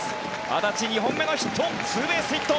安達、２本目のヒットツーベースヒット。